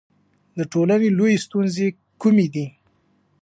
د ټولنې لویې ستونزې کومې دي؟